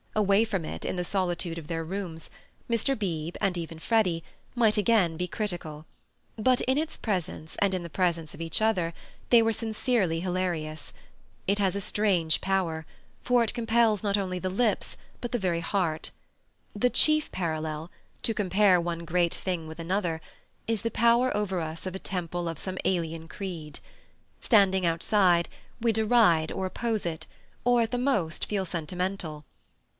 Away from it, in the solitude of their rooms, Mr. Beebe, and even Freddy, might again be critical. But in its presence and in the presence of each other they were sincerely hilarious. It has a strange power, for it compels not only the lips, but the very heart. The chief parallel to compare one great thing with another—is the power over us of a temple of some alien creed. Standing outside, we deride or oppose it, or at the most feel sentimental.